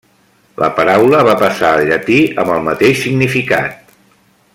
La paraula va passar al llatí amb el mateix significat.